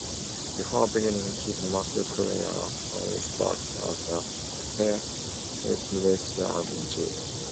Before beginning his musical career, Holmes worked as a hairdresser and chef.